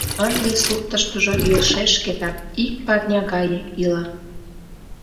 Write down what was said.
Ынде суртыштыжо йӧршеш шкетак, ик парня гае, ила.